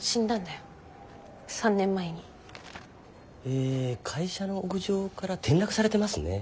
え会社の屋上から転落されてますね。